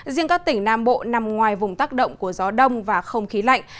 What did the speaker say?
riêng các tỉnh nam bộ nằm ngoài vùng tác động của gió đông và không khí lạnh